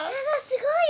すごい！